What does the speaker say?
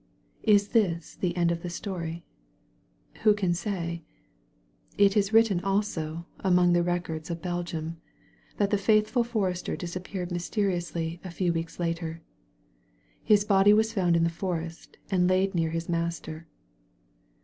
Is this the end of the story? Who can say? It is written also, among the records of Belgium, that the faithful forester disappeared mysteriously a few weeks later. His body was found in the forest and laid near his master.